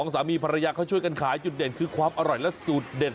สามีภรรยาเขาช่วยกันขายจุดเด่นคือความอร่อยและสูตรเด็ด